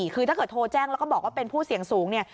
คือถ้าเกิดโทรแจ้งแล้วก็บอกว่าเป็นผู้เสี่ยงสูงเนี่ย